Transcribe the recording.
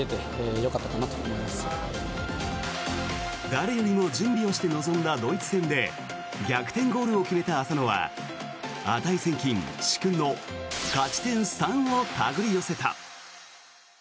誰よりも準備をして臨んだドイツ戦で逆転ゴールを決めた浅野は値千金、殊勲の勝ち点３を手繰り寄せた。